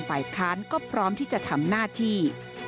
ฝ่ายค้านก็พร้อมที่จะทำหน้าที่